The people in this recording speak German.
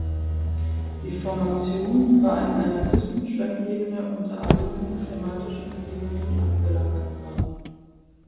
Die Formation war in einer Küstenschwemmebene unter ariden klimatischen Bedingungen abgelagert worden.